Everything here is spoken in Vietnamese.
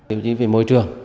tiêu chí về môi trường